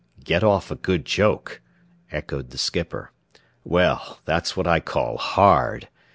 "Get off a good joke?" echoed the skipper. "Well, that's what I call hard.